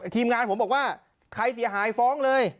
ทีมงานผมบอกว่าใครเสียหายฟ้องเลย